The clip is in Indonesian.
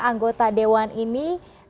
anggota dewan ini